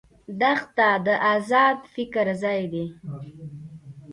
دښته د آزاد فکر ځای ده.